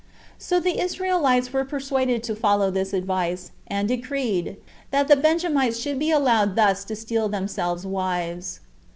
So the Israelites were persuaded to follow this advice, and decreed, That the Benjamites should be allowed thus to steal themselves wives.